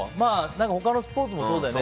他のスポーツもそうだよね。